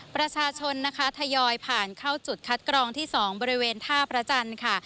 ประชาชนนะคะทยอยผ่านเข้าจุดคัดกรองที่๒บริเวณท่าพระจันทร์ค่ะ